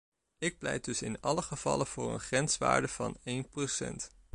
Ik pleit dus in alle gevallen voor een grenswaarde van één procent.